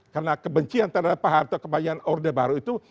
karena kebencian terhadap pak harto kebayangan orde baru itu